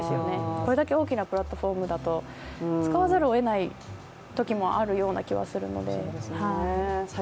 これだけ大きなプラットフォームだと使わざるをえないときもあると思うので。